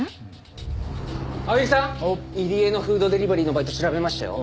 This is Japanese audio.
入江のフードデリバリーのバイト調べましたよ。